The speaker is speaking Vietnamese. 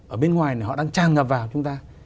ở bên ngoài này họ đang trang ngập vào chúng ta